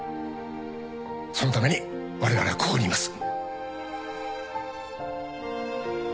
そのためにわれわれはここにいます。